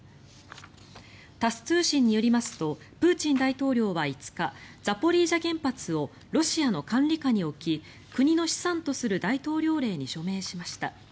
タス通信によりますとプーチン大統領は５日ザポリージャ原発をロシアの管理下に置き国の資産とする大統領令に署名しました。